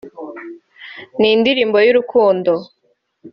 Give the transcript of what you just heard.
ni indirimbo y’urukundo